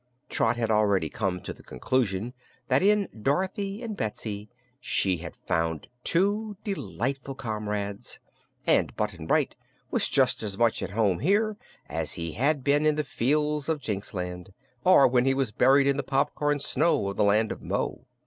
Trot had already come to the conclusion that in Dorothy and Betsy she had found two delightful comrades, and Button Bright was just as much at home here as he had been in the fields of Jinxland or when he was buried in the popcorn snow of the Land of Mo.